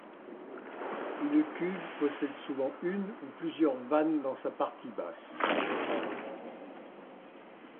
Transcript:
Une cuve possède souvent une ou plusieurs vannes dans sa partie basse.